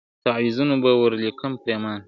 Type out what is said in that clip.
تعویذونه به ور ولیکم پرېمانه `